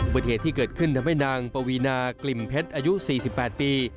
เหตุที่เกิดขึ้นทำให้นางปวีนากลิ่มเพชรอายุ๔๘ปี